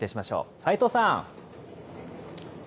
齋藤さん。